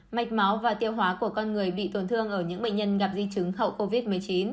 mạch máu và tiêu hóa của con người bị tổn thương ở những bệnh nhân gặp di chứng hậu covid một mươi chín